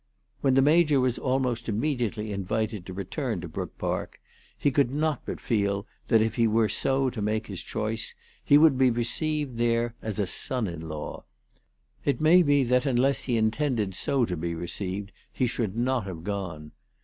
When the Major was almost immediately invited to return to Brook Park, he could not but feel that, if he were so to make his choice, he would be received there as a son in law. It may be that unless he intended so to be received, he should not have gone.